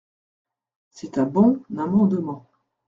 C’est un bon amendement.